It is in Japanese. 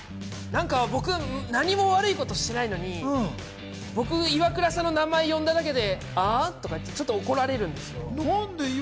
僕何も悪いことしていないのにイワクラさんの名前を呼んだだけで、ああっとちょっと怒られるんですよ。